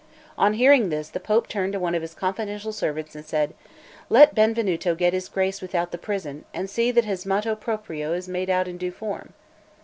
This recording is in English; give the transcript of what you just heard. On hearing this, the Pope turned to one of his confidential servants and said: "Let Benvenuto get his grace without the prison, and see that his 'moto proprio' is made out in due form."